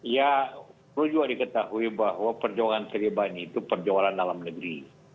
ya perlu juga diketahui bahwa perjuangan tariban itu perjuangan dalam negeri